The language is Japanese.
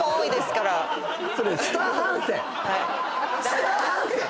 スタン・ハンセン。